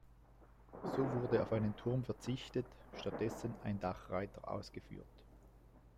So wurde auf einen Turm verzichtet, stattdessen ein Dachreiter ausgeführt.